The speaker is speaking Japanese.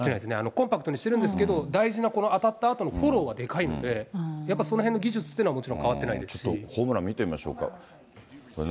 コンパクトにしてるんですけど、大事なこの当たったあとのフォローはでかいので、やっぱりそのへんの技術っていうのはもちろん変ホームラン見てみましょうか。